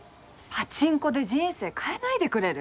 パチンコで人生変えないでくれる？